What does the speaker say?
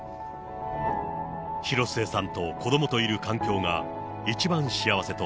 広末さんと子どもといる環境が一番幸せと、